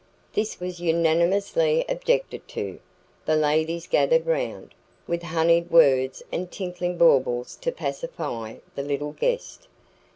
This was unanimously objected to. The ladies gathered round, with honeyed words and tinkling baubles to pacify the little guest.